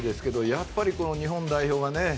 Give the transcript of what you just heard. やっぱり日本代表がね